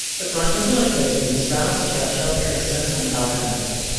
The branches are located in Stroud, Churchill, Cookstown, and Alcona.